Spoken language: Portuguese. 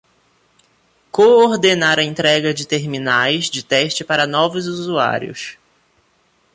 Coordenar a entrega de terminais de teste para novos usuários.